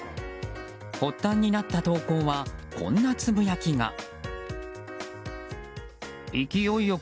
発端になった投稿はこんなつぶやきが。